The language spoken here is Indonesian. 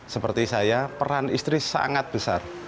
seperti saya peran istri sangat besar